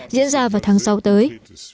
diễn ra vào tháng sáu tới